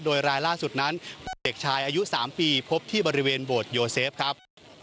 โดยรายล่าสุดนั้นเป็นเด็กชายอายุ๓ปีพบที่บริเวณโบสถโยเซฟครับ